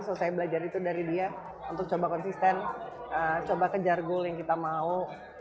selesai belajar itu dari dia untuk coba konsisten coba kejar goal yang kita mau